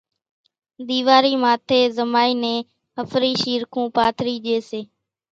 ۮيوارِي ماٿيَ زمائِي نين ۿڦرِي شيرکون پاٿرِي ڄي سي